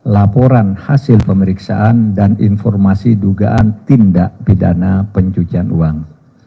laporan hasil pemeriksaan dan informasi dugaan tindak pidana pencucian uang